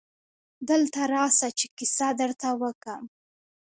دلته راسه چي کیسه درته وکم.